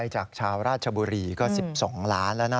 ใช่ค่ะขึ้นมาเป็น๔๐๘ล้าน